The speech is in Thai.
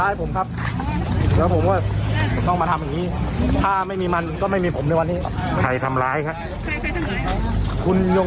และก็กล่าวผมว่าถือว่าเป็นผู้ป่วยยาเสพติดขึ้น